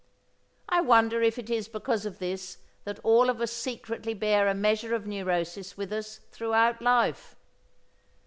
I wonder if it is because of this that all of us secretly bear a measure of neurosis with us throughout life!